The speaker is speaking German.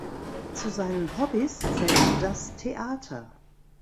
Zu seinen Hobbys zählt das Theater.